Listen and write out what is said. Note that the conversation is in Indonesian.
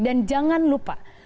dan jangan lupa